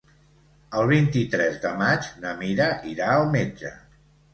El vint-i-tres de maig na Mira irà al metge.